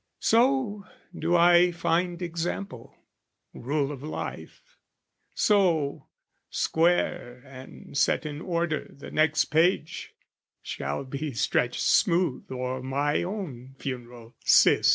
So, do I find example, rule of life; So, square and set in order the Next page, Shall be stretched smooth o'er my own funeral cyst.